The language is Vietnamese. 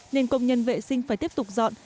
nên công nhân vệ sinh phải tiếp tục dọn